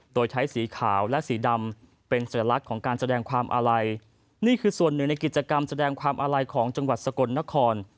โดยใช้สีขาวและสีดำเป็นสัญลักษณ์ของการแสดงความอาลัยนี่คือส่วนหนึ่งในกิจกรรมแสดงความอาลัยของจังหวัดสกลนคร